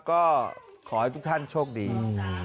ก็ขอให้ทุกท่านโชคดี